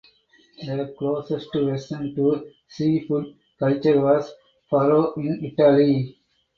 The closest version to zea food culture was farro in Italy.